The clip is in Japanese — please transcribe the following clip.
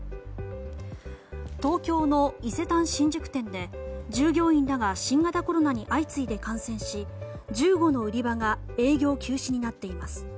東京の伊勢丹新宿店で従業員らが新型コロナに相次いで感染し１５の売り場が営業休止になっています。